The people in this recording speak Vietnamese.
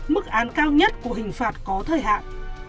mức án cao nhất của hình phạt có thời hạn